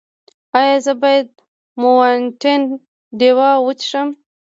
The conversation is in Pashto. ایا زه باید ماونټین ډیو وڅښم؟